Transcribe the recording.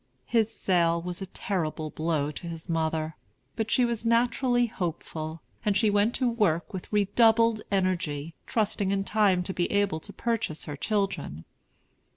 His sale was a terrible blow to his mother; but she was naturally hopeful, and she went to work with redoubled energy, trusting in time to be able to purchase her children.